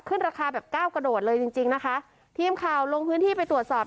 ขึ้นราคาแบบก้าวกระโดดเลยจริงจริงนะคะทีมข่าวลงพื้นที่ไปตรวจสอบ